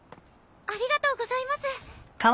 ありがとうございます。